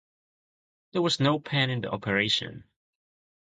There was no pain in the operation.